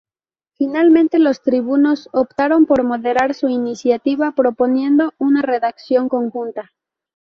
Finalmente los tribunos optaron por moderar su iniciativa, proponiendo una redacción conjunta.